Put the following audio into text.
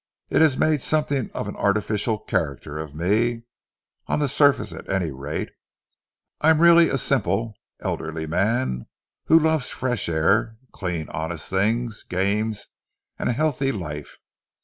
It has made something of an artificial character of me, on the surface at any rate. I am really a simple, elderly man who loves fresh air, clean, honest things, games, and a healthy life.